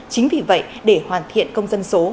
chính vì vậy để hoàn thiện công dân số